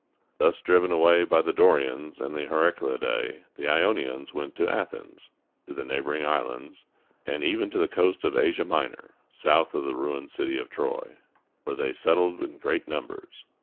Thus driven away by the Dorians and the Heraclidæ, these Ionians went to Athens, to the neighboring islands, and even to the coast of Asia Minor, south of the ruined city of Troy, where they settled in great numbers.